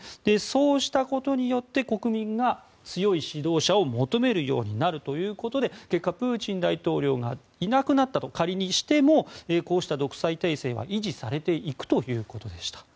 そうしたことによって国民が強い指導者を求めるようになるということで結果、プーチン大統領がいなくなったと、仮にしてもこうした独裁体制は維持されていくということでした。